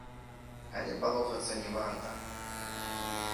Але палохацца не варта.